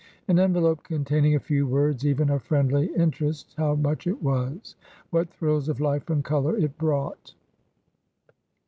An envelope containing a few words even of friendly inter est — how much it was ! what thrills of life and colour it brought